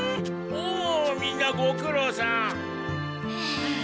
おおみんなごくろうさん。